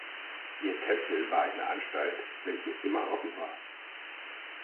Ihr Tempel war eine Anstalt, welche immer offen war.